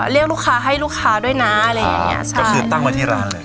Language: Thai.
เรียกลูกค้าให้ลูกค้าด้วยนะอะไรอย่างเงี้ใช่ก็คือตั้งมาที่ร้านเลย